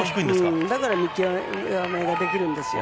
だから見極めができるんですよ。